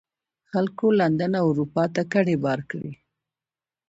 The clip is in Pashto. خلکو لندن او اروپا ته کډې بار کړې.